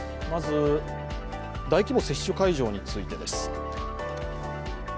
まず大規模接種会場についてです。